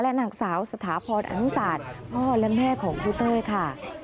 นางสาวสถาพรอนุศาสตร์พ่อและแม่ของครูเต้ยค่ะ